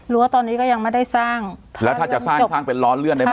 ว่าตอนนี้ก็ยังไม่ได้สร้างแล้วถ้าจะสร้างสร้างเป็นล้อเลื่อนได้ไหม